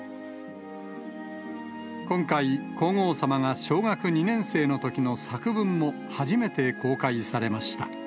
今回、皇后さまが小学２年生のときの作文も初めて公開されました。